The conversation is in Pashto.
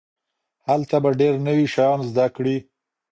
هلته به ډېر نوي شيان زده کړئ.